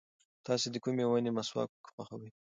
تاسو د کومې ونې مسواک خوښوئ؟